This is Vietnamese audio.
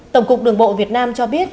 tổng cục đường bộ việt nam cho biết